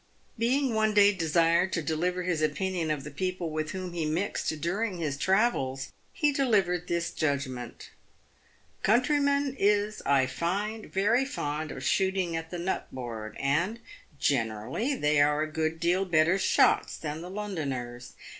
Being one day desired to deliver his opinion of the people with whom he mixed during his travels, he delivered this judgment :" Countrymen is, I find, very fond of shooting at the nut board, and, generally, they are a good deal better shots than the Lon doners.